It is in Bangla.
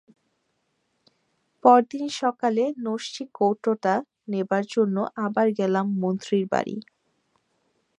পরদিন সকালে নাস্যি-কৌটোটা নেবার জন্যে আবার গেলাম মন্ত্রীর বাড়ি।